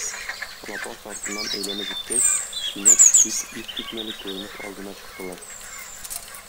Лапас артыннан әйләнеп үткәч, кинәт бик искитмәле күренеш алдына чыктылар.